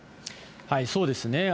そうですね。